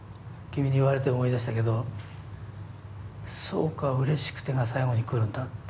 君に言われて思い出したけどそうか「嬉しくて」が最後に来るんだっていう。